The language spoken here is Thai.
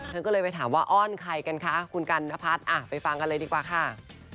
เธอก็เลยไปถามว่าอ้อนใครกันคะคุณกันนพัฒน์ไปฟังกันเลยดีกว่าค่ะ